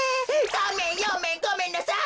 さんめんよんめんごめんなさい。